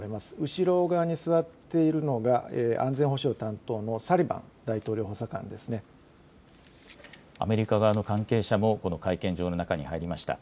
後ろ側に座っているのが、安全保障担当のサリバン大統領補佐官でアメリカ側の関係者もこの会見場の中に入りました。